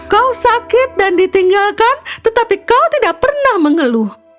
kau sakit dan ditinggalkan tetapi kau tidak pernah mengeluh